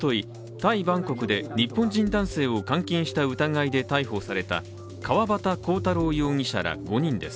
タイ・バンコクで日本人男性を監禁した疑いで逮捕された川端浩太郎容疑者ら５人です。